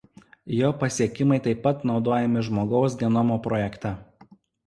Jo pasiekimai taip pat naudojami Žmogaus genomo projekte.